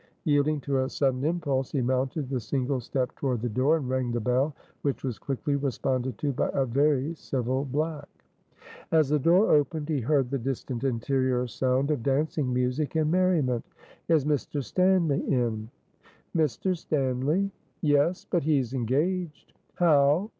Yielding to a sudden impulse, he mounted the single step toward the door, and rang the bell, which was quickly responded to by a very civil black. As the door opened, he heard the distant interior sound of dancing music and merriment. "Is Mr. Stanly in?" "Mr. Stanly? Yes, but he's engaged." "How?"